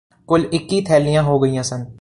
ਕੁਲ ਇੱਕੀ ਥੈਲੀਆਂ ਹੋ ਗਈਆਂ ਸਨ